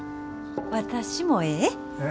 私もええ？